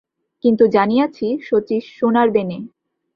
কিন্তু জানিয়াছি, শচীশ সোনার-বেনে।